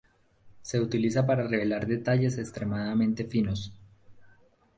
Se utiliza para revelar detalles extremadamente finos.